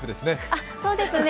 あっ、そうですね。